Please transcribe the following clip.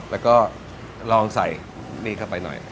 แล้วก็ลองใส่นี่เข้าไปหน่อย